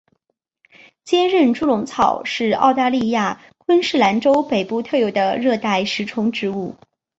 坚韧猪笼草是澳大利亚昆士兰州北部特有的热带食虫植物。